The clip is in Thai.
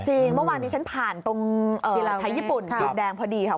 จริงเมื่อวานนี้ฉันผ่านตรงไทยญี่ปุ่นดินแดงพอดีครับ